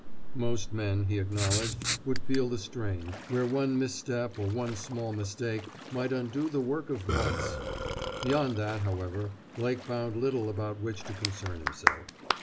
Most men, he acknowledged, would feel the strain, where one misstep or one small mistake might undo the work of months. Beyond that, however, Blake found little about which to concern himself.